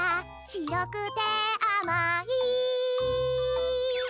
しろくてあまい？